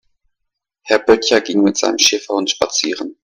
Herr Böttcher ging mit seinem Schäferhund spazieren.